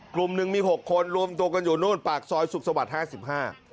กลุ่มหนึ่งมี๖คนรวมตัวกันอยู่นู้นปากซอยสุขสวรรค์๕๕